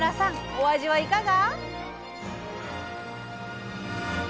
お味はいかが？